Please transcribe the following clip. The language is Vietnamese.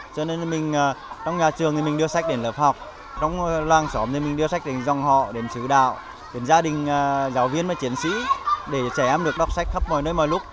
cho nên mình trong nhà trường thì mình đưa sách đến lớp học trong làng xóm thì mình đưa sách đến dòng họ đến xứ đạo đến gia đình giáo viên và chiến sĩ để trẻ em được đọc sách khắp mọi nơi mọi lúc